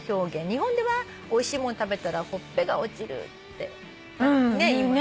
日本ではおいしいもの食べたら「ほっぺが落ちる」って言いますよね。